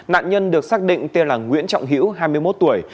nạn nhân được xác định tên là nguyễn trọng hữu hai mươi một tuổi